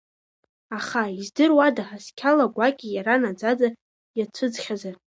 Аха, издыруада, асқьала гәакьа иара наӡаӡа иацәыӡхьазар?